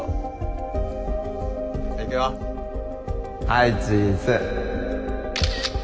はいチーズ。